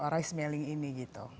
rasmiling ini gitu